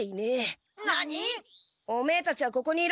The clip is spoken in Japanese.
オメエたちはここにいろ。